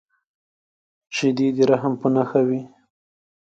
شیدې د رحم په نښه وي